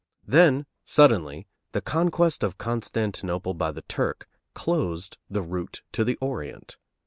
Then, suddenly, the conquest of Constantinople by the Turk closed the route to the Orient.